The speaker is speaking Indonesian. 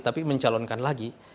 tapi mencalonkan lagi